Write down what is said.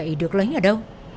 cây gậy được lấy ở đâu